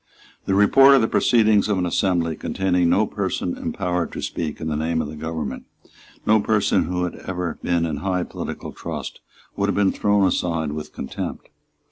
The report of the proceedings of an assembly containing no person empowered to speak in the name of the government, no person who had ever been in high political trust, would have been thrown aside with contempt.